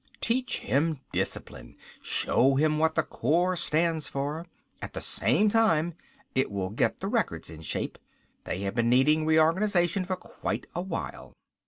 Teach him discipline. Show him what the Corps stands for. At the same time it will get the records in shape. They have been needing reorganization for quite a while."